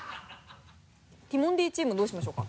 ティモンディチームどうしましょうか？